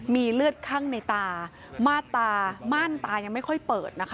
มีเลือดคั่งในตามาดตาม่านตายังไม่ค่อยเปิดนะคะ